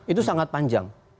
itu sangat panjang